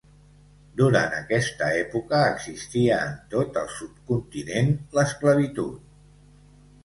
Durant aquesta època existia en tot el subcontinent l'esclavitud.